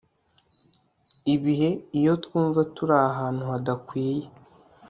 ibihe iyo twumva turi ahantu hadakwiye